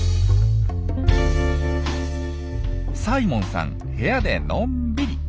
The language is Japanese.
サイモンさん部屋でのんびり。